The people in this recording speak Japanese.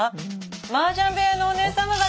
マージャン部屋のおねえさま方。